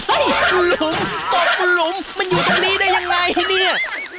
เฮ่ยหลุมตบหลุมมันอยู่ตรงนี้ได้อย่างไรนี่